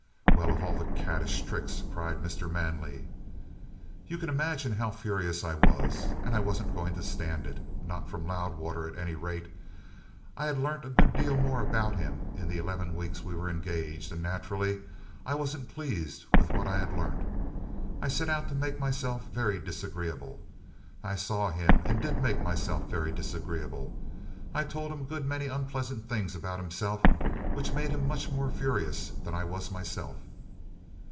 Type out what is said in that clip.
"Well, of all the caddish tricks!" cried Mr. Manley. "You can imagine how furious I was. And I wasn't going to stand it not from Loudwater, at any rate. I had learnt a good deal more about him in the eleven weeks we were engaged, and, naturally, I wasn't pleased with what I had learnt. I set out to make myself very disagreeable. I saw him and did make myself very disagreeable. I told him a good many unpleasant things about himself which made him much more furious than I was myself."